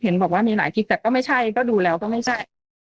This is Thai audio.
เห็นบอกว่ามีหลายคลิปแต่ก็ไม่ใช่ก็ดูแล้วก็ไม่ใช่